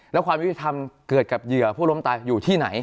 แล้วความยุติธรรมเกิดกับเหยื่อผู้ล้มตายอยู่ที่ไหน